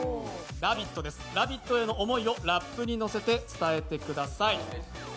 「ラヴィット！」への思いをラップに乗せて伝えてください。